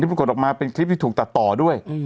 ปรากฏออกมาเป็นคลิปที่ถูกตัดต่อด้วย